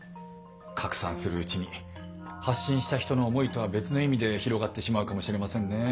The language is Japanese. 拡散するうちに発信した人の思いとは別の意味で広がってしまうかもしれませんね。